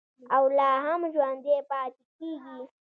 او لا هم ژوندی پاتې کیږي.